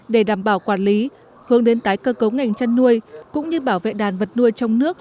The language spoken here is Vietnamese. để đảm bảo quản lý hướng đến tái cơ cấu ngành chăn nuôi cũng như bảo vệ đàn vật nuôi trong nước